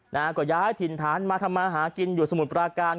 นะฮะก็ย้ายถิ่นฐานมาทำมาหากินอยู่สมุทรปราการ